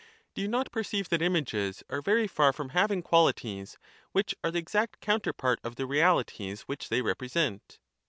Do you not perceive that images are very far from having qualities which are the exact counterpart of the reahties which they represent?